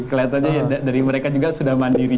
kelihatannya dari mereka juga sudah mandiri